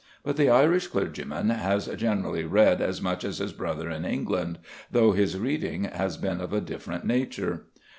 But the Irish clergyman has generally read as much as his brother in England, though his reading has been of a different nature.